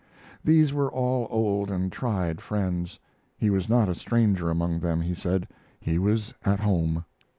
These were all old and tried friends. He was not a stranger among them, he said; he was at home.